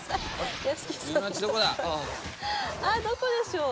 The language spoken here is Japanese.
あどこでしょう？